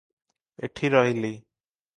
ଏଠି ରହିଲି ।